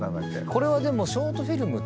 これはでも。